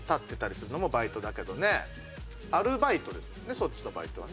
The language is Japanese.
そっちの「バイト」はね。